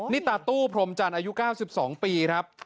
นี่ตาตู้พรมจันทร์อายุ๙๒ปีครับ